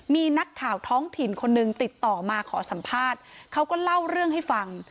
มีนักข่าวท้องถิ่นคนหนึ่งติดต่อมาขอสัมภาษณ์เขาก็เล่าเรื่องให้ฟัง